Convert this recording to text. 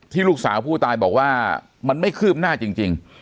ลูกสาวผู้ตายบอกว่ามันไม่คืบหน้าจริง